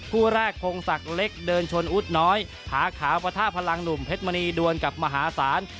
กู้แรกโกงสักเล็กเดินชนอุดน้อยหาขาวประท่าพลังหนุ่มเผ็ดมณีดวนกับมหาศาล